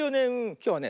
きょうね